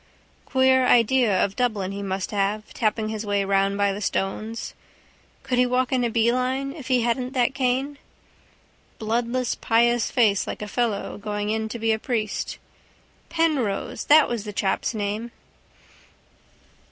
Queer idea of Dublin he must have, tapping his way round by the stones. Could he walk in a beeline if he hadn't that cane? Bloodless pious face like a fellow going in to be a priest. Penrose! That was that chap's name.